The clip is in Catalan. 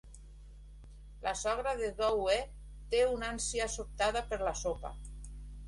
La sogra de Dou E té una ànsia sobtada per la sopa.